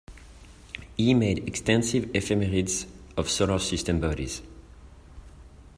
He made extensive ephemerides of solar system bodies.